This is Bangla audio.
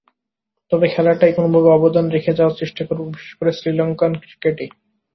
তবে খেলাটায় কোনোভাবে অবদান রেখে যাওয়ার চেষ্টা করব, বিশেষ করে শ্রীলঙ্কান ক্রিকেটে।